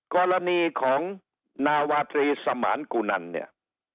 กรณีของนาวาตรีสมานกุนันเนี่ย